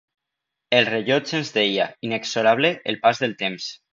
El rellotge ens deia, inexorable, el pas del temps.